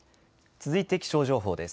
続いて気象情報です。